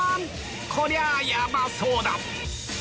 こりゃヤバそうだ